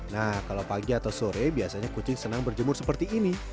nah kalau pagi atau sore biasanya kucing senang berjemur seperti ini